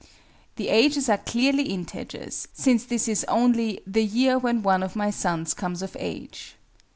The ages are clearly integers, since this is only "the year when one of my sons comes of age."